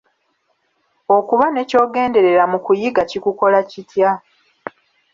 Okuba ne ky'ogenderera mu kuyiga kikukola kitya?